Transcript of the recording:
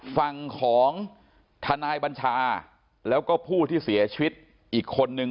ฝั่งของทนายบัญชาแล้วก็ผู้ที่เสียชีวิตอีกคนนึง